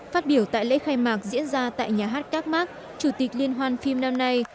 phát biểu tại lễ khai mạc diễn ra tại nhà hát cark chủ tịch liên hoan phim năm nay